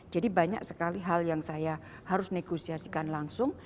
jadi banyak sekali hal yang saya harus negosiasikan langsung